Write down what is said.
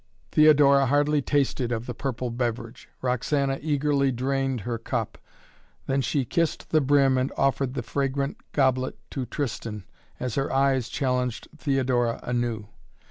Theodora hardly tasted of the purple beverage. Roxana eagerly drained her cup, then she kissed the brim and offered the fragrant goblet to Tristan, as her eyes challenged Theodora anew.